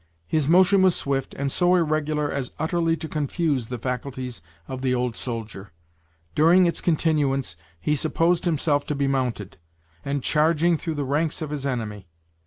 His motion was swift, and so irregular as utterly to confuse the faculties of the old soldier. During its continuance, he supposed himself to be mounted, and charging through the ranks of his enemy.